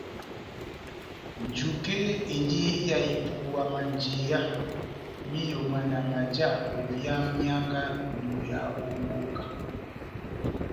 Njuke endi ya ipuwa já manjeya m'iyomwana maja ovia mianga n'ibweya ó mamboka.